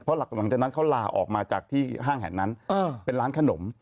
เพราะหลังจากนั้นเขาลาออกมาจากที่ห้างแห่งนั้นเป็นร้านขนม